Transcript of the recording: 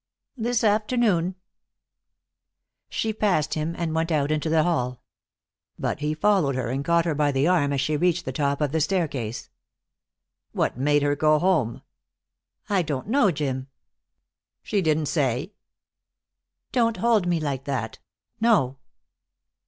"This afternoon." She passed him and went out into the hall. But he followed her and caught her by the arm as she reached the top of the staircase. "What made her go home?" "I don't know, Jim." "She didn't say?" "Don't hold me like that. No."